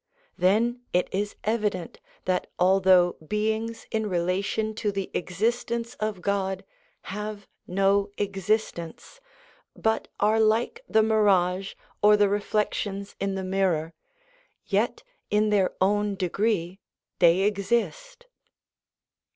Then it is evident that although beings in relation to the existence of God have no existence, but are like the mirage or the reflections in the mirror, yet in their own degree they exist.